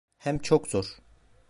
Hem çok zor…